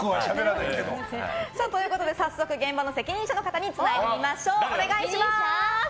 早速、現場の責任者につないでみましょう。